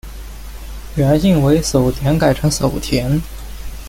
原姓为薮田改成薮田。